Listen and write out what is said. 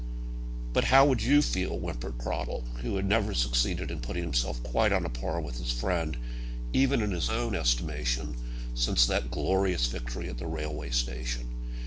"But how would you feel," whimpered Cradell, who had never succeeded in putting himself quite on a par with his friend, even in his own estimation, since that glorious victory at the railway station.